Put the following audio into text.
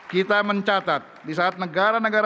kita mencatat di saat negara negara